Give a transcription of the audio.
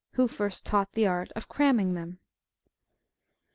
WHO FIRST TAUGHT THE ART OF CRAMMIIfG THEM".